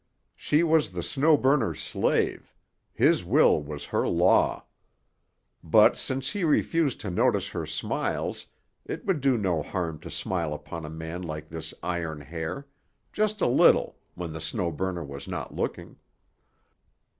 She was the Snow Burner's slave; his will was her law. But since he refused to notice her smiles it would do no harm to smile upon a man like this Iron Hair—just a little, when the Snow Burner was not looking.